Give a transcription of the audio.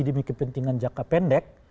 demi kepentingan jangka pendek